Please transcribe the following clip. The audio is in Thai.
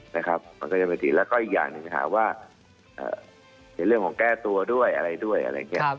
แล้วก็อีกอย่างหนึ่งค่ะว่า